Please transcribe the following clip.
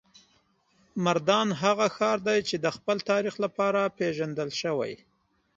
مردان هغه ښار دی چې د خپل تاریخ لپاره پیژندل شوی.